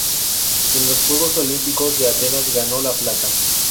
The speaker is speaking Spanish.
En los Juegos Olímpicos de Atenas ganó la plata.